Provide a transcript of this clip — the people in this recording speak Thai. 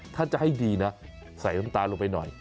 ถ้าจะให้ดีนะใส่น้ำตาลลงไปหน่อย